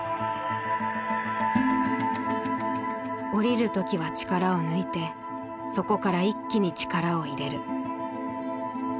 下りる時は力を抜いてそこから一気に力を入れる。